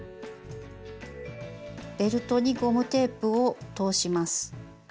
ベルトにゴムテープを通します。